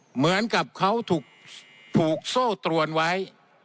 เหมือนกับเขาถูกโซ่ตรวนไว้